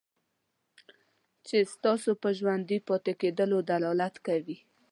چې ستاسو په ژوندي پاتې کېدلو دلالت کوي.